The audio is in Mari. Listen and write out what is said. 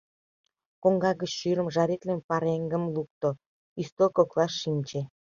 Коҥга гыч шӱрым, жаритлыме пареҥгым лукто, ӱстел коклаш шинче.